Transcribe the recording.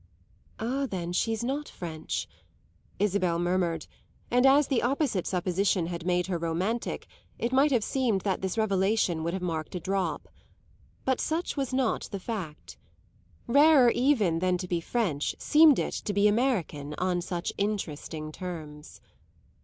"Ah then she's not French," Isabel murmured; and as the opposite supposition had made her romantic it might have seemed that this revelation would have marked a drop. But such was not the fact; rarer even than to be French seemed it to be American on such interesting terms.